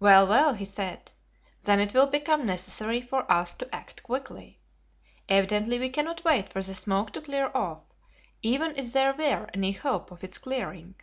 "Well, well," he said, "then it will become necessary for us to act quickly. Evidently we cannot wait for the smoke to clear off, even if there were any hope of its clearing.